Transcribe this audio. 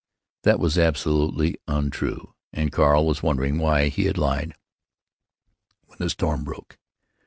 That was absolutely untrue, and Carl was wondering why he had lied, when the storm broke.